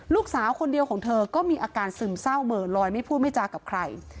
ลูกสาวคนเดียวของเธอก็มีอาการซึมเศร้าเหม่อลอยไม่พูดไม่จากับใคร